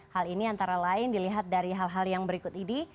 hal ini antara lain dilihat dari hal hal yang berikut ini